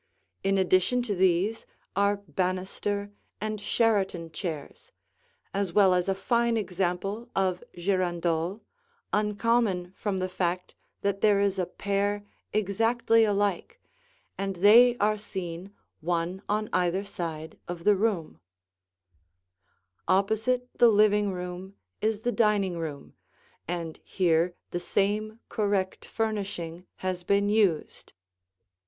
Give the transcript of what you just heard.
In addition to these are banister and Sheraton chairs, as well as a fine example of girandole, uncommon from the fact that there is a pair exactly alike, and they are seen one on either side of the room. [Illustration: The Dining Room] Opposite the living room is the dining room, and here the same correct furnishing has been used.